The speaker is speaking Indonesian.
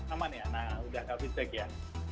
aman ya nah udah ke feedback ya